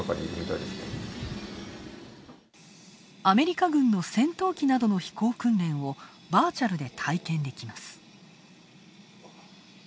アメリカ軍の戦闘機などの飛行訓練をバーチャルで体験できます。